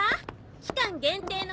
期間限定の。